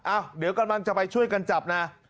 เดี๋ยวกำลังจะไปช่วยกันจับนะ